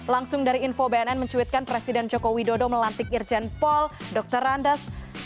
langsung dari info bnn mencuitkan presiden joko widodo melantik irjen paul dr randes